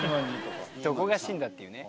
どこが「新」だっていうね。